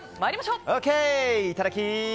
いただき！